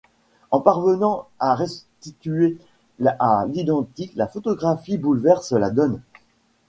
En parvenant à restituer à l’identique, la photographie bouleverse la donne.